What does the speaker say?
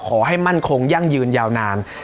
ขอให้มั่นคงยั่งยืนยาวนาน